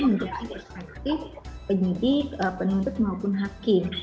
untuk perspektif penyidik penuntut maupun hakim